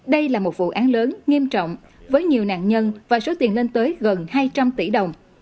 đây là một vụ án lớn nghiêm trọng với nhiều nạn nhân và số tiền lên tới gần hai trăm linh tỷ đồng